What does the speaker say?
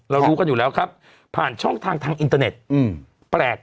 รู้กันอยู่แล้วครับผ่านช่องทางทางอินเตอร์เน็ตแปลก